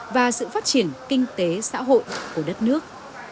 và sự phát triển kinh tế xã hội của đất nước